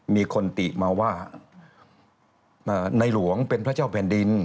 มีคนติมาว่าในหลวงเป็นพระเจ้าแผ่นดิน